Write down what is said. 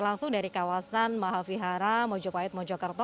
saya langsung dari kawasan maha vihara mojo pahit mojo kerto